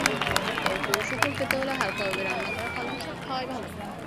তবে পুরো সুফল পেতে হলে হালকাভাবে রান্না করা পালং শাক খাওয়াই ভালো।